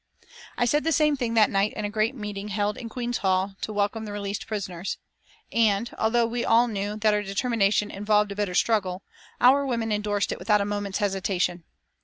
I said the same thing that night in a great meeting held in Queen's Hall to welcome the released prisoners, and, although we all knew that our determination involved a bitter struggle, our women endorsed it without a moment's hesitation.